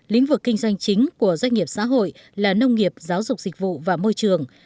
lĩnh vực kinh doanh chính của doanh nghiệp xã hội là nông nghiệp giáo dục dịch vụ và môi trường